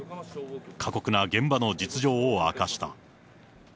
過酷な現場の実情を明かした。